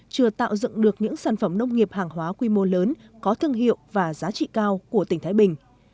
chưa tạo dựng được những sản phẩm nông nghiệp hàng hóa quy mô lớn có thương hiệu và giá trị cao của tỉnh thái bình